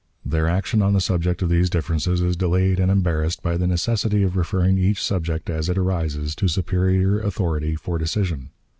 Their action on the subject of these differences is delayed and embarrassed by the necessity of referring each subject as it arises to superior authority for decision.